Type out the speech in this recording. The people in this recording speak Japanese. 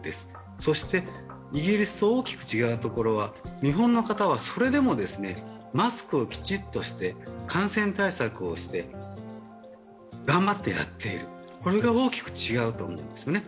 そしてイギリスと大きく違うところは日本の方はそれでもマスクをきちっとして、感染対策をして、頑張ってやっているこれが大きく違うと思うんですよね。